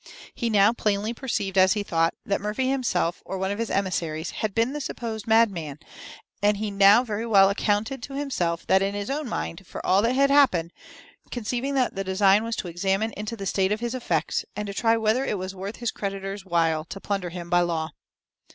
He now plainly perceived, as he thought, that Murphy himself, or one of his emissaries, had been the supposed madman; and he now very well accounted to himself, in his own mind, for all that had happened, conceiving that the design was to examine into the state of his effects, and to try whether it was worth his creditors' while to plunder him by law.